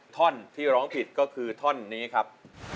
ท่อนที่ร้องผิดก็คือท่อนนี้ครับ